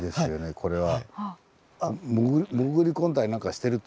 これは。